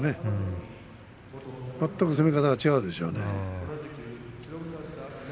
全く攻め方が違うでしょうね。